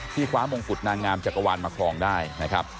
คว้ามงกุฎนางงามจักรวาลมาครองได้นะครับ